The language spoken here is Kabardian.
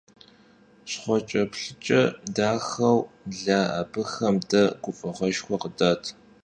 Şşxhueç'eplhıç'e daxeu la abıxem de guf'eğueşşxue khıdat.